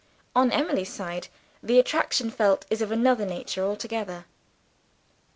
On Emily's side, the attraction felt is of another nature altogether.